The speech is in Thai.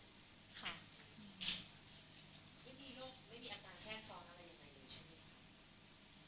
ตอนนี้ไม่มีอาการแช่ซ้อนอะไรเลยค่ะ